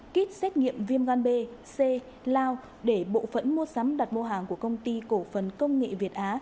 kít xét nghiệm viêm gan b c lao để bộ phẫn mua sắm đặt mua hàng của công ty cổ phần công nghệ việt á